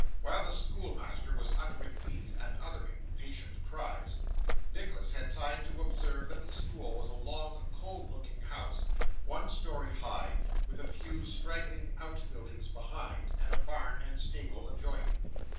While the schoolmaster was uttering these and other impatient cries, Nicholas had time to observe that the school was a long, cold looking house, one storey high, with a few straggling out buildings behind, and a barn and stable adjoining.